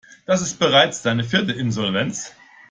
Es ist bereits seine vierte Insolvenz.